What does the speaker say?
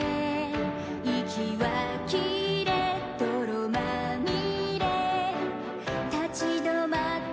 「息は切れ泥まみれ」「立ち止まっても」